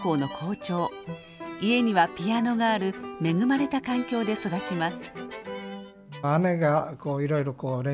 家にはピアノがある恵まれた環境で育ちます。